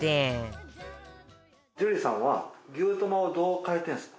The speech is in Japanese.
樹里さんは牛トマをどう変えてるんですか？